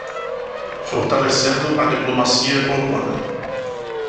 Fortalecendo a diplomacia urbana